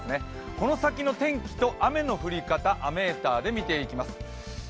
この先の天気と雨の降り方雨ーターで見ていきます。